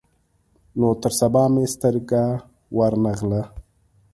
نو تر سبا مې سترګه ور نه غله.